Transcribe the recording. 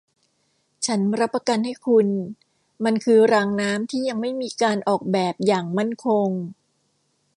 ฉันรับประกันให้คุณ มันคือรางน้ำที่ยังไม่มีการออกแบบอย่างมั่นคง